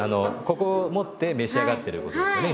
ここを持って召し上がってることですよね